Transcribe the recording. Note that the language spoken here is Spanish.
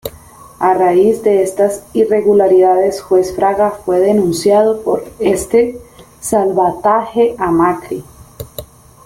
A raiz de estas irregularidades juez Fraga fue denunciado por este salvataje a Macri.